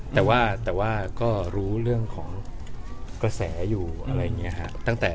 แต่ว่าก็รู้เรื่องของกระแสอยู่อะไรอย่างนี้ครับ